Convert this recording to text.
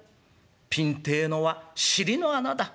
ピンってえのは尻の穴だ」。